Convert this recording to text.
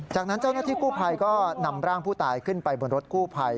จากนั้นเจ้าหน้าที่กู้ภัยก็นำร่างผู้ตายขึ้นไปบนรถกู้ภัย